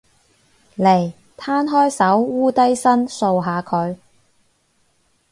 嚟，攤開手，摀低身，掃下佢